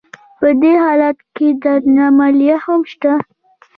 په دې حالت کې درنه مالیه هم شته